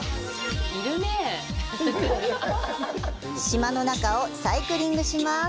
島の中をサイクリングします。